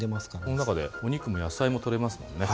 この中でお肉も野菜もとれますもんね。